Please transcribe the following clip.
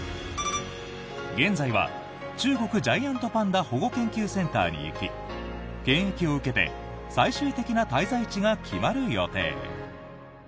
現在は中国ジャイアントパンダ保護研究センターに行き検疫を受けて最終的な滞在地が決まる予定。